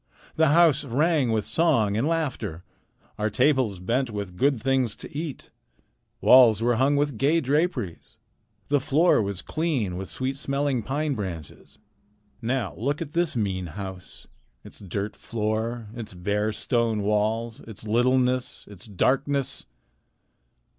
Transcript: The house rang with song and laughter. Our tables bent with good things to eat. Walls were hung with gay draperies. The floor was clean with sweet smelling pine branches. Now look at this mean house; its dirt floor, its bare stone walls, its littleness, its darkness!